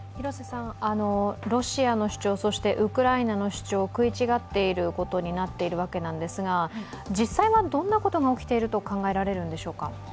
ロシアの主張、そしてウクライナの主張、食い違っていることになっているわけですが実際はどんなことが起きていると考えられるんでしょうか？